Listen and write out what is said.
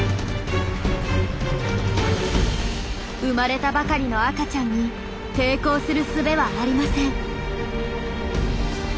生まれたばかりの赤ちゃんに抵抗するすべはありません。